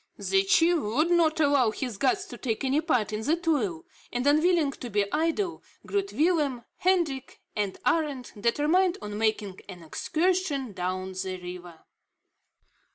The chief would not allow his guests to take any part in the toil, and unwilling to be idle, Groot Willem, Hendrik, and Arend determined on making an excursion down the river.